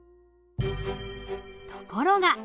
ところが！